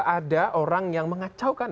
ketika ada orang orang yang mengacaukan